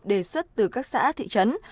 đề xuất từ các xã thị trấn